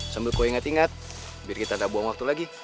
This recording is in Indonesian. sambil kue ingat ingat biar kita tak buang waktu lagi